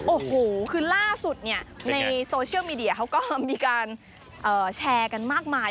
โอ้โหคือล่าสุดเนี่ยในโซเชียลมีเดียเขาก็มีการแชร์กันมากมาย